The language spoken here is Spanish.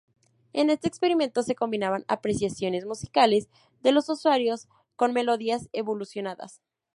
En este experimento se combinaban apreciaciones musicales de los usuarios con melodías evolucionadas.